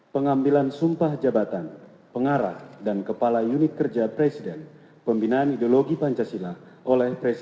ketiga dan seterusnya ditetapkan di jakarta pada tanggal tiga puluh satu mei dua ribu tujuh belas